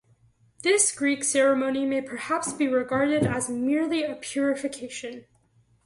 This Greek ceremony may perhaps be regarded as merely a purification.